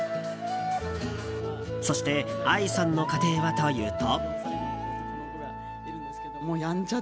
そしてＡＩさんの家庭はというと。